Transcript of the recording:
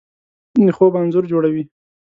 د خوب انځور جوړوي